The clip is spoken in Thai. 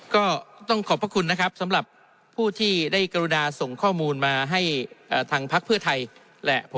ก็ต้องขอบพระคุณนะครับสำหรับผู้ที่ได้กรุณาส่งข้อมูลมาให้ทางพักเพื่อไทยแหละ